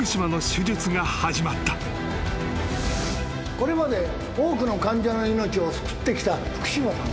これまで多くの患者の命を救ってきた福島さん。